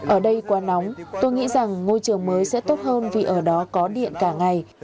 ở đây quá nóng tôi nghĩ rằng ngôi trường mới sẽ tốt hơn vì ở đó có điện cả ngày